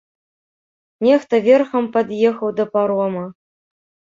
Нехта верхам пад'ехаў да парома.